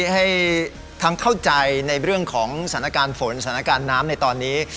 ให้ทั้งเข้าใจในเรื่องของสถานการณ์ฝนสถานการณ์น้ำในตอนนี้